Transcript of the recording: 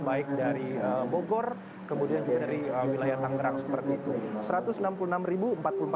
baik dari bogor kemudian juga dari wilayah tangerang seperti itu